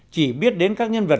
chỉ biết đến các nhân vật